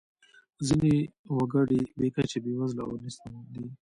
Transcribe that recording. ځینې وګړي بې کچې بیوزله او نیستمن دي.